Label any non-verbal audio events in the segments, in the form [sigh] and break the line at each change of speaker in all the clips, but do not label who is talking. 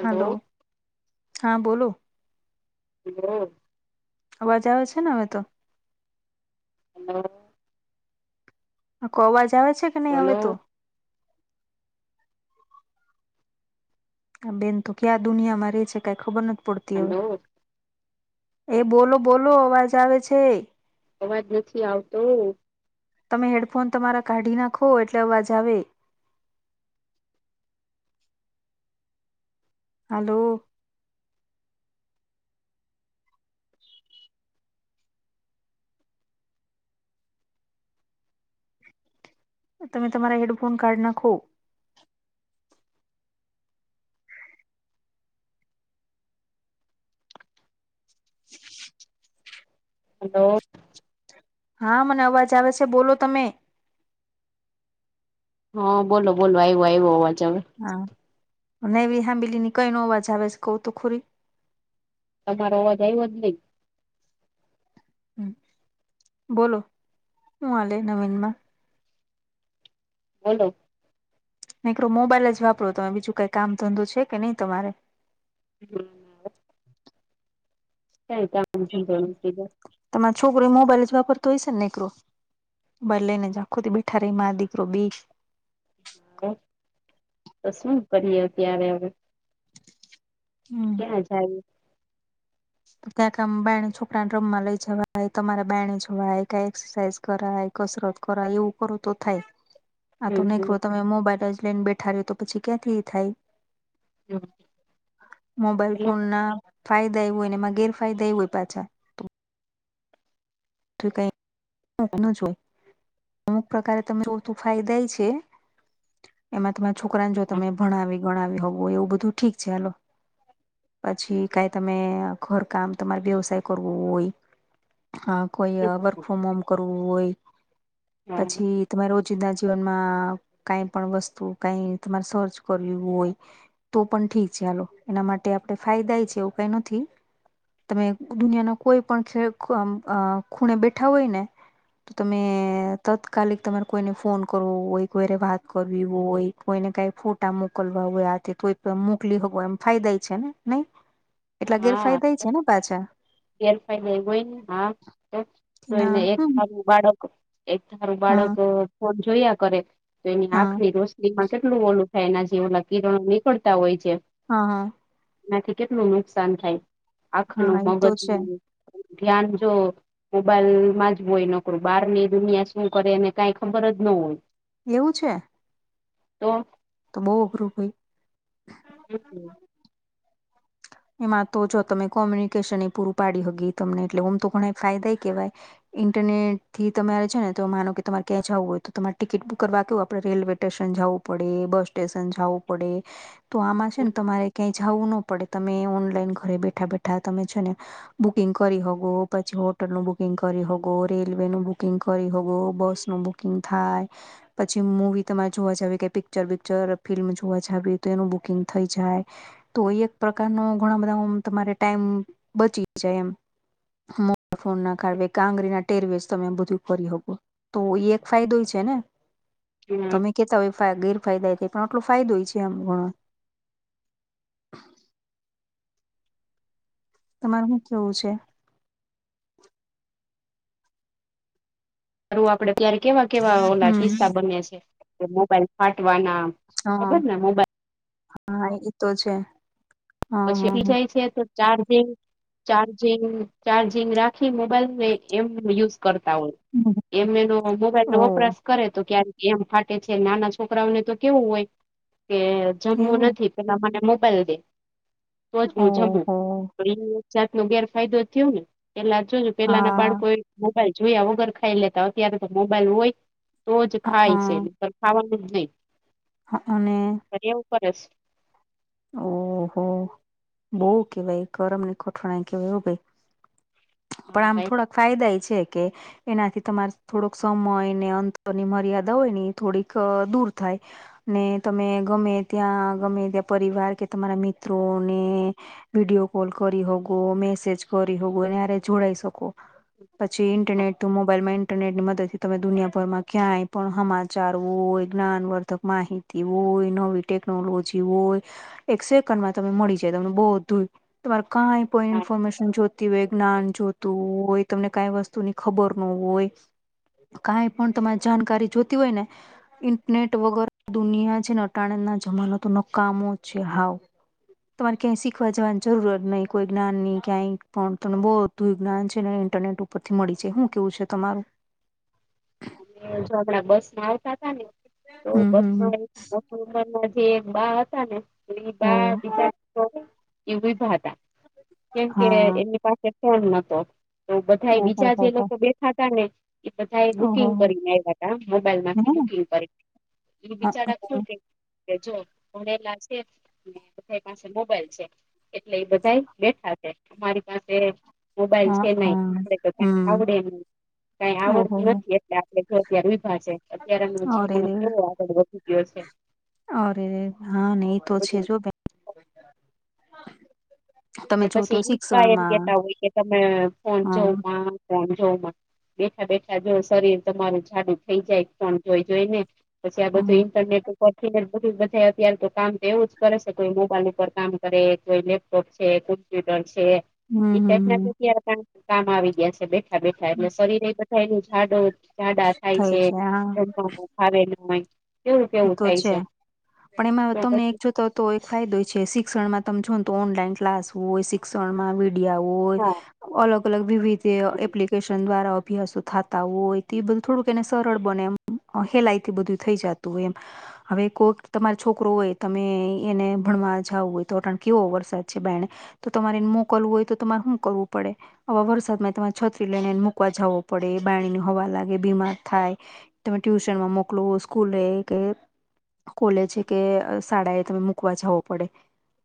Hello હા બોલો.
હા.
અવાજ આવે છે ને હવે તો.
હલો.
આ કો અવાજ આવે છે કે
હલો
નહીં
બોલો
હવે તો. આ બેન તો ક્યા દુનિયામાં રે છે કઈ ખબર નથી પડતી હવે.
હલો
એ બોલો બોલો અવાજ આવે છે.
અવાજ નથી આવતો.
તમે હેડફોન તમારા કાઢી નાખો એટલે અવાજ આવે. હલો. તમે તમારા હેડફોન કાઢ નાખો.
હલો.
હા મને અવાજ આવે છે બોલો તમે.
હા બોલો બોલો આવ્યું આવ્યો અવાજ હવે.
હા અને એ વી સાબીલી ની કઈ નો અવાજ આવે છે કઉ તું ખોરી.
તમારો અવાજ આવ્યો જ નહીં.
હમ બોલો શું આલે નવીન માં.
બોલો.
કઈ ક્રો મોબાઈલ જ વાપરો તમે બીજું કઈ કામ ધંધો છે કે નહી તમારે.
[unintelligible] કાંઈ કામ ધંધો નથી [unintelligible]
તમારે છોકરો મોબાઈલ જ વાપરતો હોય છે ને નેકરો. બલે જ ને જ આખો દી બેઠા રે માર દીકરો બી
[unintelligible] તો શું કરીએ અત્યારે હવે.
હમ્મ.
હા જય
ત્યાં ક બાણી છોકરાને રમમાં લઈ જવાય તમારે બાણી જવાય ક એક્સરસાઇઝ કરાય કસરત કરાય એવું કરો તો થાય. આ તો નહી ક તો
હમ
તમે મોબાઈલ જ લઈને બેઠા રહ્યો તો પછી ક્યાંથી થાય.
હમ
મોબાઈલ ફોન ના ફાયદા એવું એના માં ગેરફાયદા એવું હોય પાછા. તો કઈ [unintelligible] ના જોય. અમુક પ્રકારે તને જોતું ફાયદાય એ છે. એમાં તમારા છોકરાને જો તમે ભણાવી ગણાવી હોવો એવું બધું ઠીક છે [unintelligible] પછી કાઈ તમે ઘરકામ તમારે વ્યવસાય કરવો હોય. હા કોઈ વર્ક ફ્રોમ હોમ કરવું હોય
હા
પછી તમામે રોજિંદા જીવનમાં કઈ પણ વસ્તુ કઈ તમારે સર્ચ કર્યું હોય. તો પણ ઠીક છે ચાલો એના માટે આપડે ફાયદા એ છે એવું કઈ નથી. તમે દુનિયાના કોઈ પણ જ આમ ખૂ આ ખૂણે બેઠા હોય ને તો તમે તાત્કાલિક તમારે કોઈને ફોન કરવો હોય કોઈરે વાત કરવી હોય. કોઈને કાઈ ફોટા મોકલવા હોય આથી તોય પણ મોકલી હો એમ ફાયદા છે ને નઈ. એટલા ગેરફાયદા છે ને પાછા.
ગેરફાઈલા હોય ને હા તો
એના
એને એક
હમ
બાળક એક ધારુ
હા
બાળક ફોન જોયા કરે તો એની
હા
આંખની રો કેટલું ઓલુ થાય એના જેવ કિરણો નીકળતા હોય છે.
હા હા
એનાથી કેટલું નુકસાન થાય આખ
હા હા
નું
એ તો
મગજ
છે
ધ્યાન જો મોબાઈલ માં જ હોય નોકરુ, બહાર ની દુનિયા શું કરેને કઈ ખબર જ ન હોય.
એવું છે.
તો
તોમક્રપય
હમ્મ
એમાં તો જો તમે કોમ્યુનિકેશન એ પૂરુ પાડી્યુ હ ગી તમને એટલે હમ તો ઘણા ફાયદા એ કહેવાય ઇન્ટરનેટ થી તમારે છે ને તો માનો કે તમારે ક્યાં જવું હોય, તો તમારે ટિકિટ બુક કરવા કેવું આપણે રેલવે સ્ટેશન જવું પડે બસ સ્ટેશન જવું પડે તો આમાં છેન, તમારે ક્યા જવુ ન પડે તમે ઓનલાઈન ઘરે બેઠા બેઠા તમે છેને બુકિંગ કરી હોગો પછી હોટલનુ બુકિંગ કરી હોગો રેલવે નું બુકિંગ કરી હોગો બસનુ બુક કકિંગ થાય. પછી મવી તમારે જોવા જાવ કે પિક્ચર બિક્ચર ફિલ્મ જોવા જાવી તો એનું બુકિંગ થઈ જાય. તો એ એક પ્રકાર ન ઘણા બધા તમારે ટાઈમ બચી જાય એમ ફો ના કાઢવે કે આંગળરીના ટેરવેસ તમે બધું કરીરી હો, તો એ એક ફાયદો છેને. તમે કેતા હોય ગેરફાયદા એ થાય પણ આટલો ફાયદો હોય છે આમ ઘણો તમાર હુ કેવુ છે.
હું આપડે ત્યારે કેવા કેવા ઓલા
હમ
કિસ્સા બને્યા છે કે મોબાઈલ ફાટવાના ખબર
હા
ને મોબાઈલ
હા એતો છે. હા હા
પછીી
હા
જાય છે, તો ચાર્જિંગ ચાર્જિંગ ચાર્જિંગ રાખ થી મોબાઈલ ને એમ યુઝ કરતા હોય, એમ એનો મોબાઈલ ન
ઓ
વપરાશ કરે તો ક્યારે એમ ફાટે છે, નાના છોકરાઓને તો કેવું હોય કે જમવું
એવું
નથી. પેલા મને મોબાઈલ દે તો જુંજમુ
ઓહો
એ જાત નો ગેર ફાયદો થયો ને એટલા જોજ પેલાના
હા
બાળકો એ મોબાઈલ જોયા વગર ખાઈ લેતા અત્યારે તો મોબાઈલ હોય. તો જ ખાય છે,
હા
ખાવાનું જ નહી
હ અને
ફ એું પરસ
ઓહો બહ કેવાય ગરમ ની કોોઠણ કેવાય એવું ભાઈ પણ
હા
આમ
ભાઈ
થોડાક ફાયદા એ છે, કે એનાથી તમારે થોડોક સમય ને અંતરની મર્યાદા હોય ને થોડીક દૂર થાય. ને તમે ગમે ત્યાં ગમે ત્યાં પરિવાર કે તમારા મિત્રો ને વિડીિયો કોલ કરી હોગો મેસેજ કરી હોગો ને્યારે જોડાઈ શકો પછી
હા
ઇન્ટરનેટ મોબાઈલ મા ન્ટરનેટ ની મદદથી તમે દુનિયાભરમાં ક્યાંય પણ સમાચારવોય જ્ઞાનવર્ધક માહિતી તેવ હોય નવી ટેકનોલોજી હોય. એક સેકન્ડમાં તમે મળી જાય, તમને બહુધું તમારે કંઈ
હા
ઇન્ફોર્મેશન જો ય જ્ઞાન જોતું હોય તમને કઈ વસ્તુ ની ખબર ન હોય. કાંઈ પણ તમારી જાણકારી જોતી હોય ને ઇન્ટરનેટ વગર દુનિયા છેને, અટાણે ના જમાનોતો ન કામો છે, હાવ તમારે ક્યાંય શીખવા જવાની જરૂરત નહી, કોઈ જ્ઞાન ની ક્યાંય પણ તને બહ વિજ્ઞાન છે ને ઇન્ટરનેટ ઉપરથી મળી છે શું કેવું છે તમારુ
અને જો આગડા બસ માં આવતા હતાા ને તો બસ મા ઉમરના જે એક બા હતા ને એ બા બીજા એું ભાતા કેમકે એમની પાસે ફોન નતો તો બધા બીજા જે લોકો બેઠા હતા ને એ બધાય બુકિંગ કરીને આવ્યા હતા મોબાઈલ માંથી બુકિંગ કરી, એ બિચારું કે કે જો ભડેલા છે ને બધા પાસે મોબાઈલ છે. એટલે એ બધાય બેઠા છે. અમારી પાસે મોબાઈલ છે નઈ આપડે તો કઈ આવડે નઈ કઈ આવડતું નથી. એટલે આપડે જો અત્યારે ઉભા છે અત્યારે એ જીવાણ
રે,
કેવો આગળ વધી ગયો છે.
અરે હા નહી તો છે
બધું
જો. તમે
અને
જો તો
પછી ઇન્સપાયર
શિક્ષણમાં,
કેતા હોય કે તમે ફોન જોવ
હમ,
માં ફોન જોવ માં બેઠા બેઠા જો શરીર તમાર જાડુ થઈ જાય ફોન જોઈ જોઈ ને. પછી આ બધું
હમ,
ઇન્ટરનેટ ઉપર થી બધું બધા અત્યારે તો કામ તો એવું જ કરે છે કોઈ મોબાઈલ ઉપર કામ કરે કોઈ લેપટોપ કે કોમ્પ્યુટર છે
હમ,
ઈ ટાઇપ
હમ,
ના કામ આવી ગયા છેબેન. બેઠા બેઠા
હમ.
એટલે શરીર એ બધા એ જાડો જાડા થાય
થઈ
છે.
હા,
તો પણ આવે ને હોય. કેવું કેવું
તો
થાય
છે, પણ એમાં
તો
તમને એક
પછી
જોતા તો એ ફાયદો છે. શિક્ષણમાં તમે જો ને તો ઓનલાઈન ક્લાસવું હોય, શિક્ષણમાં વિડિયા હોય,
હા
અલગ અલગ વિવિધ એપ્લિકેશન દ્વારા અભ્યાસો થાતા હોય તો એ બધું થોડુંક એને સરળ બને એમ હેલાઈ થી બધું થઈ જતું. તો એમ હવે કોક તમારો છોકરો હોય તમે એને ભણવા જાવું હોય તોણ કેવો વરસાદ છે બાયને. તો તમારેને મોકલવું હોય તો તમારે શું કરવું પડે? આવા વરસાદ માં તમારે છત્રી લઈને મૂકવા જાવો પડે [unintelligible] ન હવા લાગે, બીમાર થાય. તમે ટ્યુશન માં મોકલો, સ્કૂલ કે કોલેજે કે શાળા એ તમે મુકવા જાઓ પડે.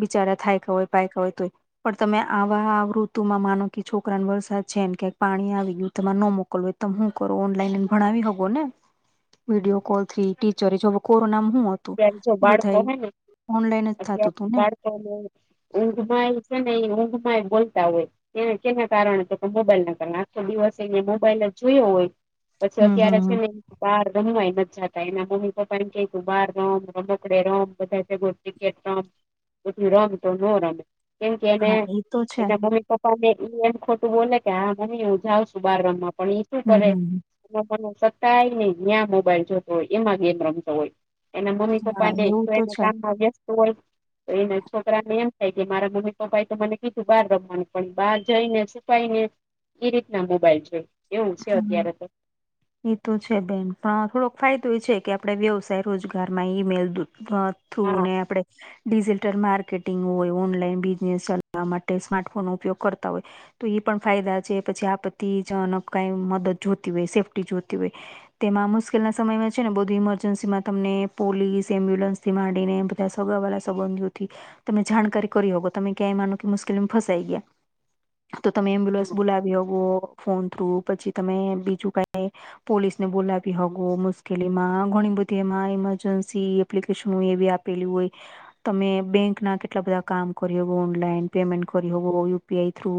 બિચારા થાયકા હોય પાયકા હોય તોય. પણ તમે આવા ઋતુમાં માનો કે છોકરાને વરસાદ છે ને ક્યાંક પાણી આવી ગયું તમારે ન મોકલવું. તમ હું કરો ઓનલાઈન ભણાવી હકો ને વિડીયો કોલ થી? ટીચર જો હવે કોરોનામાં હું હતું
અત્યારે જો બાળકો
બધા
હોય ને,
ઓનલાઈન જ થતું
અત્યારે
હતું ને
બાળકોને ઊંઘમાંય છે ને એ ઊંઘમાંય બોલતા હોય. એને કેના કારણે તો મોબાઈલ ના કર આખો દિવસને મોબાઈલ જોયો હોય પછી
હમ
અત્યારે છે
હમ
ને બહાર રમવાય નથ જાતા એના મમ્મી પપ્પા એને કે તું બહાર રમ, રમકડે રમ, બધાય ભેગું ક્રિકેટ રમ તો ન રમે. કેમ કેને
હા એ તો છે
એના [unintelligible] પપ્પાને ઈ એમ ખોટું બોલે કે હા મમ્મી હું જાવ શું બાર રમવા પણ ઈ શું
હમ
કરે
હમ
[unintelligible] સતાય ને ન્યા મોબાઈલ જોતો હોય એમાં ગેમ રમતો હોય. એના મમ્મી
હા
પપ્પાને
એવું
તો એને
છે
કામમાં વ્યસ્ત હોય. તો એના છોકરાને એમ થાય કે મારા મમ્મી પપ્પા એ તો મને કીધું બહાર રમવાનું પણ બહાર જઈને છીપાઈને એ રીતના મોબાઈલ જોય એવું છે
હમ
અત્યારે તો.
એ તો છે બેન પણ થોડોક ફાયદો એ છે કે આપડે વ્યવસાય રોજગારમાં ઈમેલ થું
હા
ને આપણે ડિજિટલ માર્કેટિંગ હોય, ઓનલાઈન બિઝનેસ ચલાવવા માટે સ્માર્ટફોનનો ઉપયોગ કરતા હોય. તો એ પણ ફાયદા છે. પછી આપત્તિ જનક કઈ મદદ જોતી હોય, સેફ્ટી જોતી હોય તેમાં મુશ્કેલના સમયમાં છે ને બધુ ઈમરજન્સીમાં તમને પોલીસ એમ્બ્યુલન્સ સીમાડીને બધા શગવાલા સંબંધીઓ થી તમે જાણકારી કરી હકો તમે ક્યાંય માનો કે મુશ્કેલીમાં ફસાઈ ગયા તો તમે એમ્બ્યુલન્સ બોલાવી હકો ફોન થ્રુ પછી તમે બીજું કઈ પોલીસને બોલાવી હગો મુશકેલીમાં ઘણી બધી એમાં ઇમરજન્સી એપ્લિકેશન એ બી આપેલી હોય તમે બેંકના કેટલા બધા કામ કરી હગો ઓનલાઈન, પેમેન્ટ કરી હોવો U P I through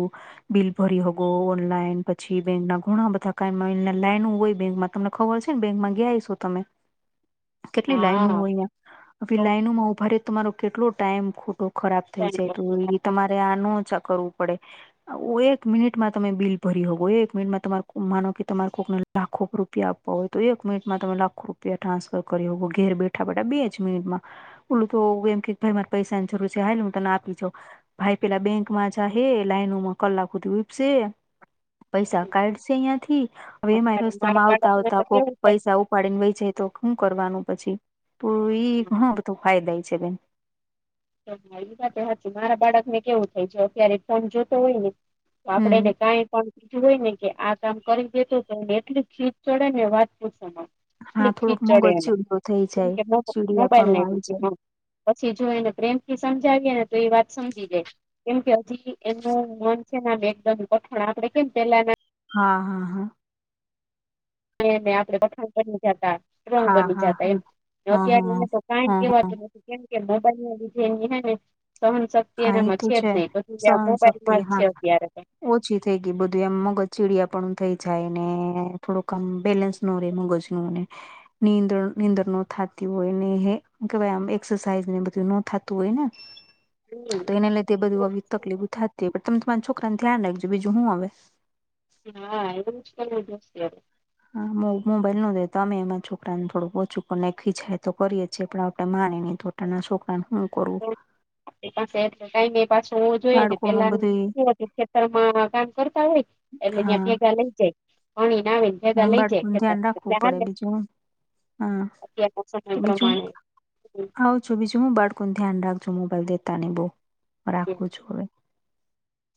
bill ભરી હગો ઓનલાઈન પછી બેંક ના ઘણા બધા કાય મને લાઈન હોય બેંકમાં તમને ખબર છે ને બેંકમાં ગ્યા હૈસો તમેઈ? કેટલી લાઈનો
હા
હોય અંઈયા હવે લાઈનોમાં ઉભા રે તમારો કેટલો ટાઈમ ખોટો ખરાબ થઈ જાય તો
હા
ઈ તમારે આનો ઓછા કરવું પડે. ઓ એક મિનિટમાં તમે બિલ ભરી હકો, એક મિનિટમાં તમાર માનો કે તમારે કોકને લાખો રૂપિયા આપવા હોય તો એક મિનિટમાં તમે લાખો રૂપિયા ટ્રાન્સફર કરી હકો ઘેર બેઠા બેઠા બે જ મિનિટમાં ઓલું તો એમ કે ભાઈ મારે પૈસા ની જરૂર છે હા હું તને આપી જાઉ ભાઈ પેલા બેંકમાં જાહે, લાઈનોમાં કલાક સુધી ઉપસે પૈસા કાઢશે અહિયાથી, હવે એમાંય
અમારે મારા
રસ્તામાં આવતા
બાળકને
આવતા
તો
કોક
કેવું થાય
પૈસા ઉ પાડીને વઈ જાય તો હું કરવાનું પછી? તો ઈ ઘણું બધું ફાયદા છે બેન.
એ વાત તો હાચી. મારા બાળક ને કેવું થાય છે અત્યારે ફોમ જોતો હોય ને તો આપડે
હમ
એને કાઈ પણ કીધું હોય ને કે આ કામ કરી દે તો તો ને એટલી ચીડ ચડે ને વાત પૂછ માં.
હા
એટલી
થોડોક
ખીચ
મગજ
ચડે એ,
ચીડયો થઈ
કેમ
જાય
કે મો
ચીડિયા
મોબાઈલ
પણું
ને
આવી
લીધે, પછી જો એને પ્રેમથી સમજાવીએે ને તો એ વાત સમજી જાય. કેમ કે હજી એમનું મન છેને આમ એકદમ ગઠણ આપડે કેમ પેલા ના
હા હા હા.
આપે વખાણ બની જતા, સ્ટ્રોંગ
હા
બની
હા
જતા એમ,
હા
ને
હા હા હા
અત્યારે
હા
એને તો કાઈ
હા હા
કેવા કે કેમ કે મોબાઈલ ના લીધે એની હેને સહનશક્ તી
હા એ
એનામાં
તો
છે જ નહી પછી ત્યાં
સહનશક્તિ
મોબાઈલમાં જ છે
હા
અત્યારે
ઓછી થઇ ગય બધું એમ મગજ ચીડિયાપણુ થઇ જાય ને થોડુંક આમ બેલેન્સ ન રે મગજનું ને ની નીંદણ ન થતી હોય ને હે કેવાય આમ એક્સરસાાઈઝ ને બધું નો થતું હોય ને?
હમ્મ.
તો એને લીધે બધું આવી તકલીફ ઉ થાતી પણ તમે તમારા છોકરા ને ધ્યાન રાખજો બીજું હું અવે?
એ હા એવુ જ કરવું પડશે
હા મો મોબાઈલ ન દેતા અમે એમાંરા છોકરાને થોડુંક ઓછું કર નાઈખી છે તો કરીએ છીએ પણ આપણે માને ની તો નાના છોકરાને હું કરું? [unintelligible]
આપડી પાસે એટલે ટાઈમ એ પાછો હોવો જોઈએ ને
બાળકોનું
પેલા
બધું
કેવા કે ખેતર માં કામ કરતા હોય એટલે ત્યાં
હા
ભેગા લઇ જાય. પાણીને આવે ને ભેગા લઈ જાય
બાળકોનું
ખેતર
ધ્યાન
એટલે
રાખવું પડે
હાલે.
બીજું
અત્યારના સમય પ્રમાણે.
હવ છું બીજું હું બળકોણ ધ્યાન રાખજો મોબાઈલ દેતા નઈ બો. રાખવું છું હવે.